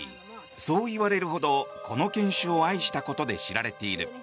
そういわれるほどこの犬種を愛したことで知られている。